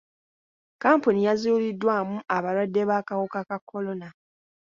Kampuuni yazuuliddwamu abalwadde b'akawuka ka kolona.